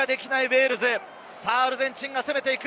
アルゼンチンが攻めていく。